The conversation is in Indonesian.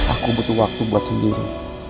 aku butuh waktu buat sendiri